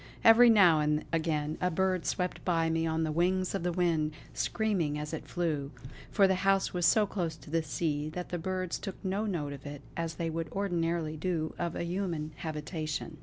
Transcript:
Every now and again a bird swept by me on the wings of the wind, screaming as it flew; for the house was so close to the sea that the birds took no note of it as they would ordinarily do of a human habitation.